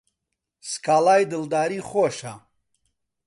سکاڵای دڵداری خۆشە